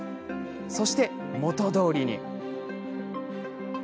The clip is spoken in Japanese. そして元どおりに。